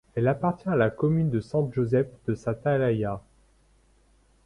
Elle appartient à la commune de Sant Josep de sa Talaia.